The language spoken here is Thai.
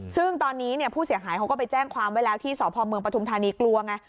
ซึ่งตอนนี้ผู้เสียหายเขาก็ไปแจ้งความไว้แล้วที่สพเมืองปฐุมธานีกลัวไง